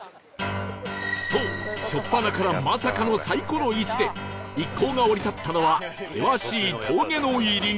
そうしょっぱなからまさかのサイコロ「１」で一行が降り立ったのは険しい峠の入り口